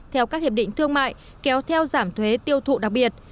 theo các hiệp định thương mại kéo theo giảm thuế tiêu thụ đặc biệt